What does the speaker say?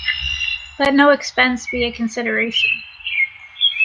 Let no expense be a consideration.